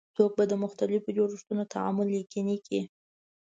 څوک به د مختلفو جوړښتونو تعامل یقیني کړي؟